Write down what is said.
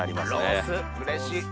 ロースうれしい。